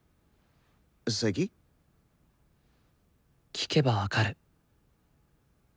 聴けば分かる。